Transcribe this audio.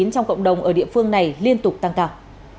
trong cộng đồng ở địa phương này liên tục tăng cao